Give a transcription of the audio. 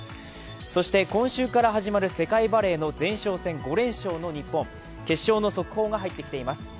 そして今週から始まる世界バレーの前哨戦５連勝の日本決勝の速報が入ってきています。